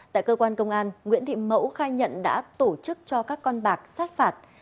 tại cơ quan công an nguyễn thị mẫu khai nhận đã tổ chức cho các con bạc sát phạt